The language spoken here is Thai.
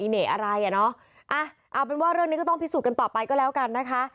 เหน่อะไรอ่ะเนาะเอาเป็นว่าเรื่องนี้ก็ต้องพิสูจน์กันต่อไปก็แล้วกันนะคะ